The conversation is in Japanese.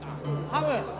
ハム。